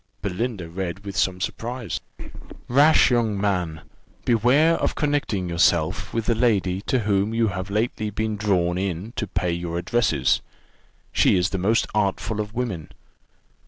Belinda read with some surprise: "Rash young man! beware of connecting yourself with the lady to whom you have lately been drawn in to pay your addresses: she is the most artful of women.